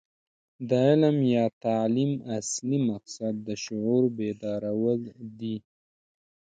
د علم یا تعلیم اصلي مقصد د شعور بیدارول دي.